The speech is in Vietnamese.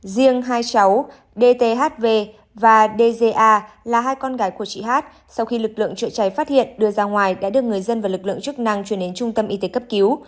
riêng hai cháu dthv và dja là hai con gái của chị hát sau khi lực lượng chữa cháy phát hiện đưa ra ngoài đã được người dân và lực lượng chức năng chuyển đến trung tâm y tế cấp cứu